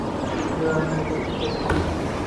لیڈران ملت تھے۔